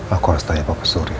aku harus tanya papa surya